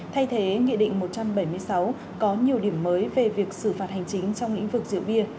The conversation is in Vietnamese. thay thế nghị định một trăm bảy mươi sáu có nhiều điểm mới về việc xử phạt hành chính trong lĩnh vực rượu bia